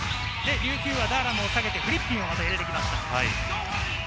琉球はダーラムを下げて、フリッピンを再び入れてきました。